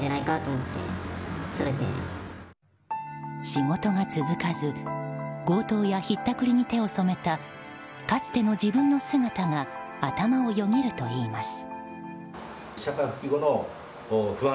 仕事が続かず強盗や、ひったくりに手を染めたかつての自分の姿が頭をよぎるといいます。